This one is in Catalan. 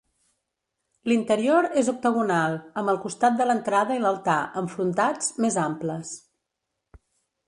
L'interior és octagonal, amb el costat de l'entrada i l'altar, enfrontats, més amples.